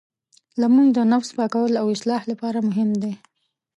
لمونځ د نفس پاکولو او اصلاح لپاره مهم دی.